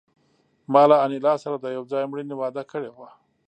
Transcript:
ما له انیلا سره د یو ځای مړینې وعده کړې وه